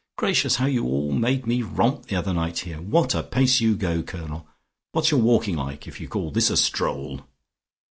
Gracious! How you all made me romp the other night here. What a pace you go, Colonel! What's your walking like if you call this a stroll?"